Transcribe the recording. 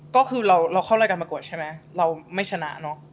ก็คือเราเข้ารายการประกวดใช่ไหมเราไม่ชนะเนอะ